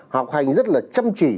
học hành rất là chăm chỉ